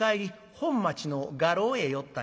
本町の画廊へ寄ったんや。